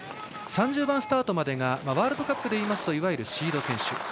３０番スタートまでがワールドカップで言いますといわゆるシード選手。